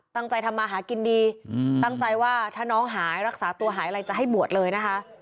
ตั้งใจทำมาหากินดีตั้งใจว่าถ้าน้องหายรักษาตัวหายอะไรจะให้บวชเลยนะคะ